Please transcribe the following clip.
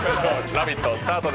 「ラヴィット！」